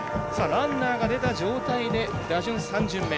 ランナーが出た状態で打順３巡目。